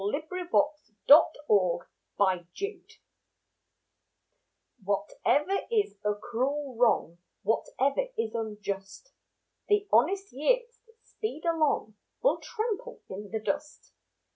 IT ALL WILL COME OUT RIGHT Whatever is a cruel wrong, Whatever is unjust, The honest years that speed along Will trample in the dust.